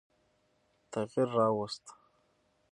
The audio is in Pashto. تغییر را ووست.